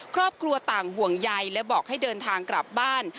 ครอบครัวต่างห่วงใยและบอกให้เดินทางกลับบ้าน